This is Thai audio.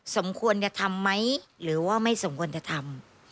สมควรจะทำไหมหรือว่าไม่สมควรจะทำ